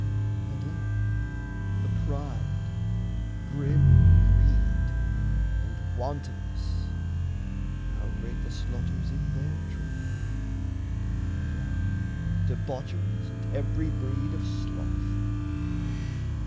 And lo, the pride, grim greed, and wantonness How great the slaughters in their train! and lo, Debaucheries and every breed of sloth!